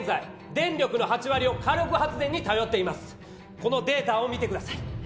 このデータを見てください。